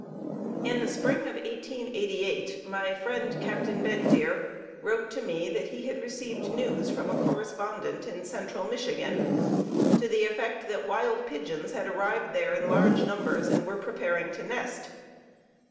In the spring of 1888 my friend, Captain Bendire, wrote to me that he had received news from a correspondent in central Michigan to the effect that wild pigeons had arrived there in large numbers and were preparing to nest.